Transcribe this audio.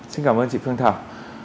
xin cảm ơn chị phương thảo